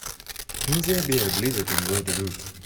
Will there be a blizzard in Guadeloupe?